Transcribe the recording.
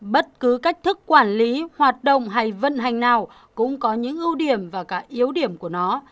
bất cứ cách thức quản lý hoạt động hay vận hành nào cũng có những ưu điểm và cả yếu điểm của nó